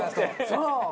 そう。